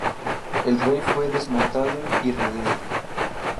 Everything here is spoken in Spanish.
El rey fue desmontado y rodeado.